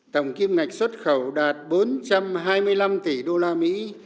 tổng kim ngạch xuất khẩu đạt bốn trăm hai mươi năm tỷ đô la mỹ